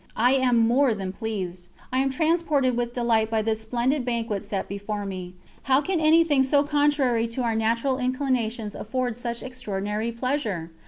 I am more than pleased I am transported with delight by this splendid banquet set before me. How can anything so contrary to our natural inclinations afford such extraordinary pleasure?